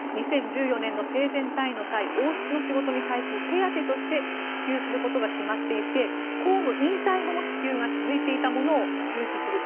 ２０１４年の生前退位の際王室の仕事に対する手当として支給することが決まっていて公務引退後も支給が続いていたものを中止する。